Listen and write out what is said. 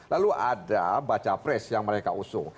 lalu ada baca pres yang mereka usung